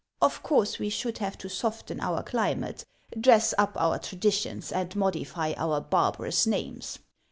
Of course we should have to soften our cli mate, dress up our traditions, and modify our barbarous names.